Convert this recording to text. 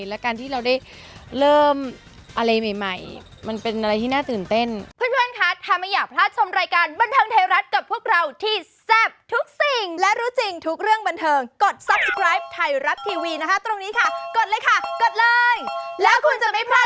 และการที่เราได้เริ่มอะไรใหม่ใหม่มันเป็นอะไรที่น่าตื่นเต้น